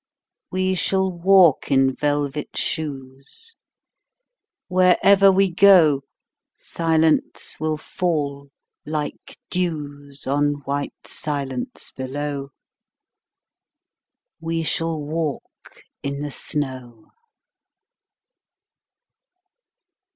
We shall walk in velvet shoes: Wherever we go Silence will fall like dews On white silence below. We shall walk in the snow.